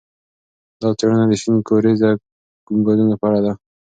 دا څېړنه د شین کوریزه ګازونو په اړه ده.